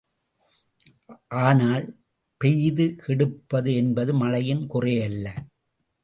ஆனால், பெய்து கெடுப்பது என்பது மழையின் குறையல்ல!